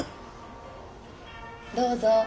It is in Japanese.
どうぞ。